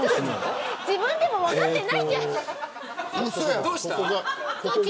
自分でも分かってないじゃん。